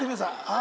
あ。